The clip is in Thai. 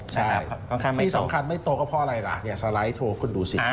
ใช่ที่สำคัญไม่โตก็เพราะอะไรล่ะเนี่ยสไลด์โทรคุณดูสิ